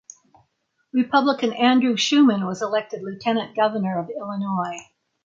Republican Andrew Shuman was elected Lieutenant Governor of Illinois.